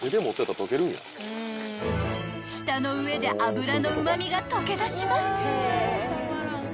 ［舌の上で脂のうま味がとけ出します］